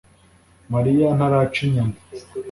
Mariya ntaraca inyama